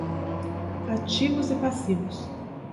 Ativos e passivos